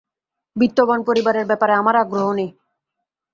বিত্তবান পরিবারের ব্যাপারে আমার আগ্রহ নেই।